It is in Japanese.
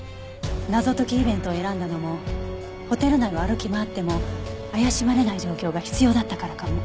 謎解きイベントを選んだのもホテル内を歩き回っても怪しまれない状況が必要だったからかも。